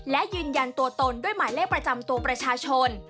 และยืนยันตัวตนด้วยหมายเลขประจำตัวประชาชน